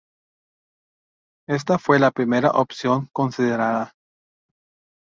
Esta fue la primera opción considerada.